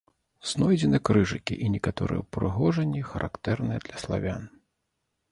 Знойдзены крыжыкі і некаторыя ўпрыгожанні, характэрныя для славян.